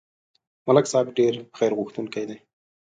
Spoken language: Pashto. ملک صاحب ډېر خیرغوښتونکی دی.